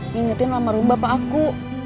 ngingetin laman rumah bapak aku